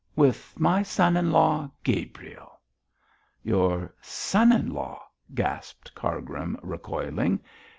'With my son in law Gabriel!' 'Your son in law,' gasped Cargrim, recoiling.